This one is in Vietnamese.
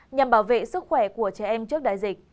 nhằm bảo vệ sức khỏe của trẻ em trước đại dịch